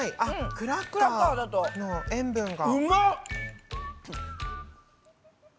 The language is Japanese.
クラッカーの塩分が。